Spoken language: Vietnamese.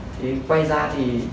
thì quay ra thì